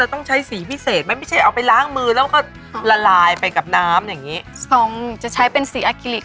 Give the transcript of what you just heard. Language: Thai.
เราต้องใช้สีพิเศษไหมไม่ใช่เอาไปล้างมือแล้วก็ละลายไปกับน้ำอย่างนี้